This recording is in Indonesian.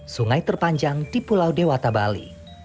sungai terpanjang di pulau dewata bali